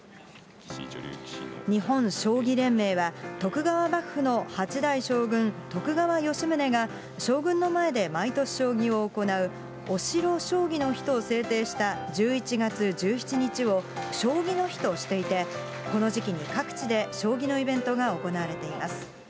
日本将棋連盟は、徳川幕府の八代将軍、徳川吉宗が、将軍の前で毎年将棋を行う、御城将棋の日と制定した１１月１７日を、将棋の日としていて、この時期に各地で将棋のイベントが行われています。